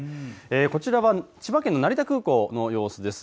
こちらは千葉県の成田空港の様子です。